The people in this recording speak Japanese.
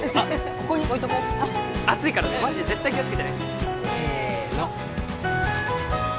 ここに置いとこう熱いからねマジで絶対気をつけてねせーの！